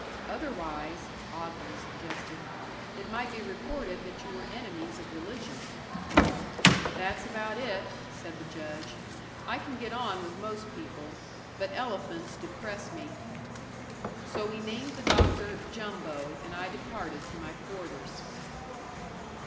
"Otherwise," Ogden suggested, "it might be reported that you were enemies of religion." "That's about it," said the Judge. "I can get on with most people. But elephants depress me." So we named the Doctor "Jumbo," and I departed to my quarters.